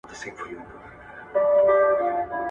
که لابراتواري لارښوونې تعقیب سي، ستونزه نه رامنځته کېږي.